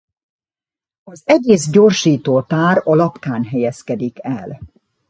Az egész gyorsítótár a lapkán helyezkedik el.